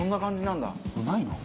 ないの？